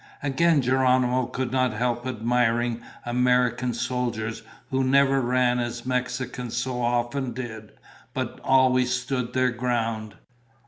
Again Geronimo could not help admiring American soldiers, who never ran as Mexicans so often did but always stood their ground.